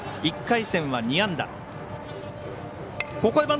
１回戦は２安打。